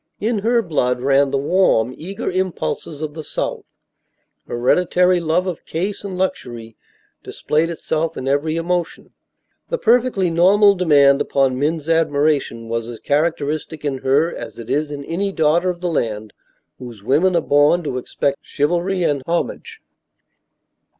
In her blood ran the warm, eager impulses of the south; hereditary love of case and luxury displayed itself in every emotion; the perfectly normal demand upon men's admiration was as characteristic in her as it is in any daughter of the land whose women are born to expect chivalry and homage.